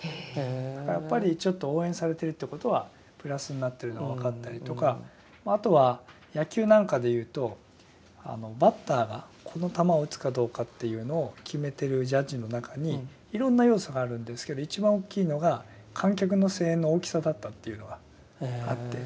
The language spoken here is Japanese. だからやっぱりちょっと応援されてるってことはプラスになってるのが分かったりとかあとは野球なんかでいうとバッターがこの球を打つかどうかっていうのを決めてるジャッジの中にいろんな要素があるんですけど一番大きいのが観客の声援の大きさだったっていうのがあって。